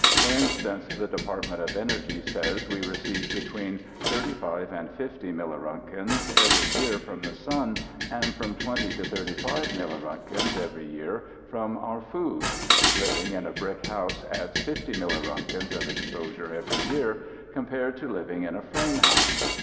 For instance, the Department of Energy says we receive between 35 and 50 milliroentgens every year from the sun and from 20 to 35 milliroentgens every year from our food. Living in a brick house adds 50 milliroentgens of exposure every year compared to living in a frame house.